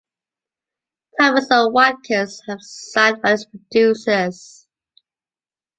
Thomas and Watkins have signed on as producers.